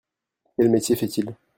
Quel métier fait-il ?